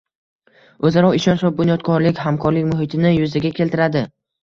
o‘zaro ishonch va bunyodkorlik, hamkorlik muhitini yuzaga keltiradi.